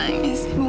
ibu mau jalan